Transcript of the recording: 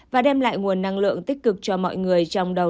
và đem lại nguồn năng lượng tích cực cho mọi người